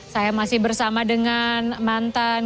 saya masih bersama dengan pemimpin pertama yang di sini